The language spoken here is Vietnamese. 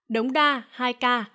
đống đa hai ca